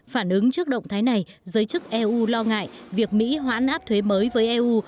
phản ứng trước động thái này giới chức eu lo ngại việc mỹ hoãn áp thuế mới với eu